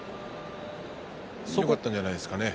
よかったんじゃないですかね。